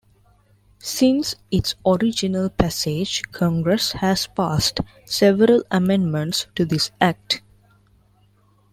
Since its original passage, Congress has passed several amendments to this act.